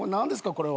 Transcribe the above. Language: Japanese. これは。